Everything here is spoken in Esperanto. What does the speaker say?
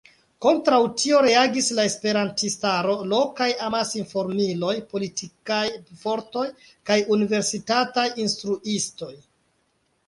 Kontraŭ tio reagis la esperantistaro, lokaj amasinformiloj, politikaj fortoj kaj universitataj instruistoj.